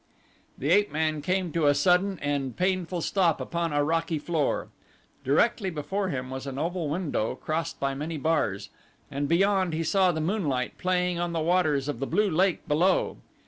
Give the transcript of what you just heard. The ape man came to a sudden and painful stop upon a rocky floor. Directly before him was an oval window crossed by many bars, and beyond he saw the moonlight playing on the waters of the blue lake below.